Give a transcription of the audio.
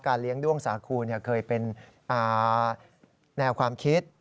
เลี้ยงด้วงสาคูเคยเป็นแนวความคิด